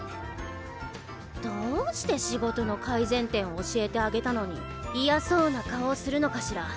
どうして仕事の改善点を教えてあげたのに嫌そうな顔をするのかしら。